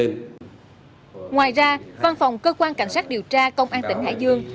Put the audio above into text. ngoài ra văn phòng cơ quan cảnh sát điều tra công an tỉnh hải dương